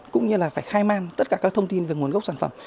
cũng như là phải khai man tất cả các thông tin về nguồn gốc sản phẩm